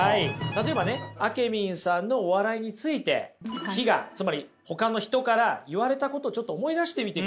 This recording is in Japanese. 例えばねあけみんさんのお笑いについて非我つまりほかの人から言われたことをちょっと思い出してみてください。